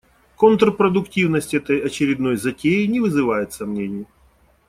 Контрпродуктивность этой очередной затеи не вызывает сомнений.